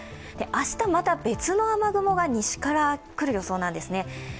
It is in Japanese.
明日、また別の雨雲が西から来る予想なんですね。